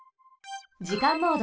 じかんモード。